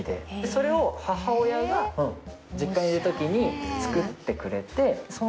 それを母親が実家にいる時に作ってくれて。